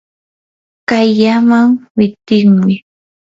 kayllaman witimuy.